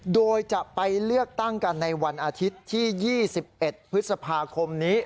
โดยจะไปเลือกตั้งกันในวันอาทิตย์ที่๒๑พฤษภาคมนี้